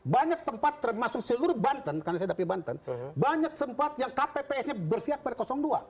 banyak tempat termasuk seluruh banten karena saya dapil banten banyak tempat yang kpps nya berpihak pada dua